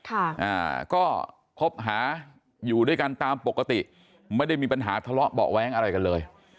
อ่าก็คบหาอยู่ด้วยกันตามปกติไม่ได้มีปัญหาทะเลาะเบาะแว้งอะไรกันเลย